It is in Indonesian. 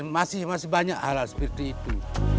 masih banyak halal seperti itu